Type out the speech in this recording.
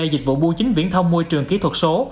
dịch vụ bu chính viễn thông môi trường kỹ thuật số